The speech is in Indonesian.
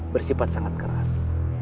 bersifat sangat keras